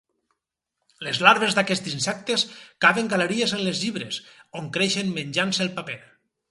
Les larves d’aquests insectes caven galeries en els llibres, on creixen menjant-ne el paper.